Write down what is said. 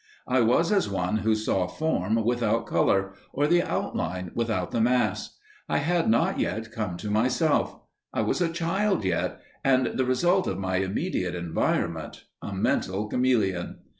I was as one who saw form without colour, or the outline without the mass. I had not yet come to myself; I was a child yet, and the result of my immediate environment a mental chameleon.